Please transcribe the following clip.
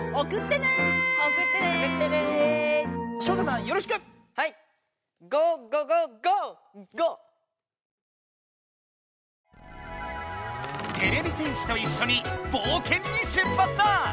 てれび戦士といっしょにぼうけんに出発だ！